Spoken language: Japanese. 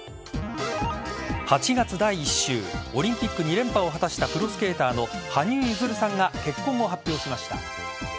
８月第１週オリンピック２連覇を果たしたプロスケーターの羽生結弦さんが結婚を発表しました。